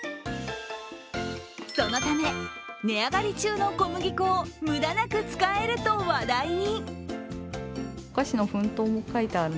そのため、値上がり中の小麦粉を無駄なく使えると話題に。